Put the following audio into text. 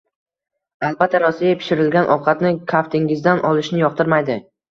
Albatta, Rossiya pishirilgan ovqatni kaftingizdan olishni yoqtirmaydi